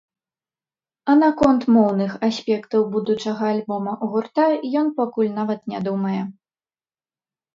А наконт моўных аспектаў будучага альбома гурта ён пакуль нават не думае.